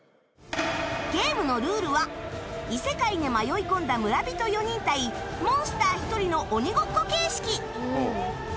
ゲームのルールは異世界へ迷い込んだ村人４人対モンスター１人の鬼ごっこ形式